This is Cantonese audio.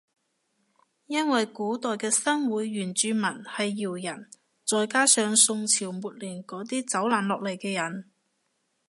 因為古代嘅新會原住民係瑤人再加上宋朝末年嗰啲走難落嚟嘅人